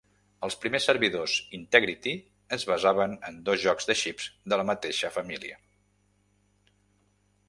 Els primers servidors Integrity es basaven en dos jocs de xips de la mateixa família.